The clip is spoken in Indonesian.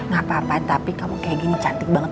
gak apa apa tapi kamu kayak gini cantik banget